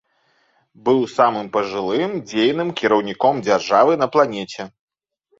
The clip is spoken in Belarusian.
Быў самым пажылым дзейным кіраўніком дзяржавы на планеце.